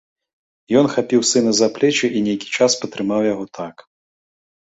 Ён хапіў сына за плечы і нейкі час патрымаў яго так.